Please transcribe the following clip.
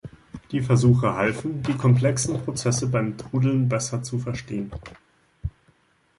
Die Versuche halfen, die komplexen Prozesse beim Trudeln besser zu verstehen.